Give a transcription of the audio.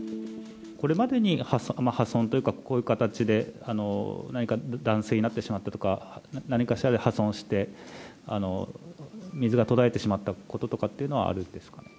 これまでに破損というか、こういう形で何か断水になってしまったとか、何かしらで破損して、水が途絶えてしまったこととかっていうのはあるんですか。